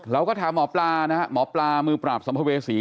เราก็ถามหมอปลานะฮะหมอปลามือปราบสัมภเวษี